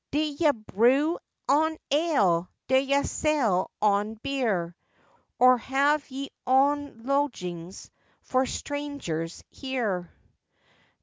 'D'ye brew ony ale? D'ye sell ony beer? Or have ye ony lodgings for strangers here?